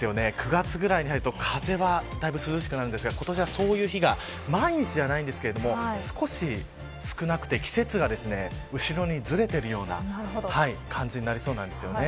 ９月ぐらいに入ると風はだいぶ涼しくなるんですが今年、遅い日が毎日じゃないんですけど少し少なくて、季節が後ろにずれているような感じになりそうです。